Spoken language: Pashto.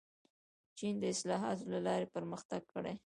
چین د اصلاحاتو له لارې پرمختګ کړی.